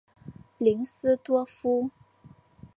林斯多夫。